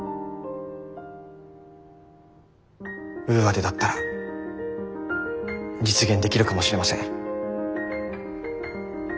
ウーアでだったら実現できるかもしれません。